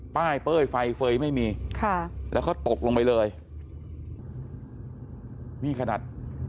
เป้ยไฟเฟย์ไม่มีค่ะแล้วเขาตกลงไปเลยนี่ขนาด